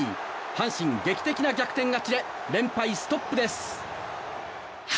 阪神、劇的な逆転勝ちで連敗ストップです。